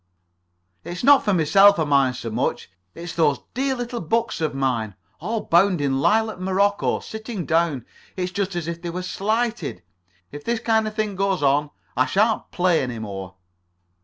"It's not for myself I mind so much. It's those dear little books of mine. All bound in lilac morocco. Sitting down. It's just as if they were slighted. If this kind of thing goes on, I shan't play any more."